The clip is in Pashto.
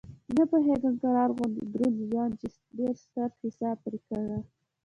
نه پوهېږم قرار غوندې دروند ځوان چې ډېر ستر حساب پرې کړی.